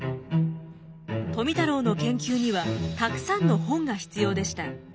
富太郎の研究にはたくさんの本が必要でした。